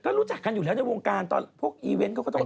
ก็รู้จักกันอยู่แล้วในวงการตอนพวกอีเวนต์เขาก็ต้อง